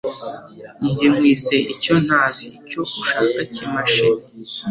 Jye nkwise icyontaziIcyo ushaka kimashe